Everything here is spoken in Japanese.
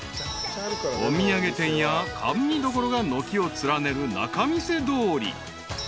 ［お土産店や甘味どころが軒を連ねる仲見世通り］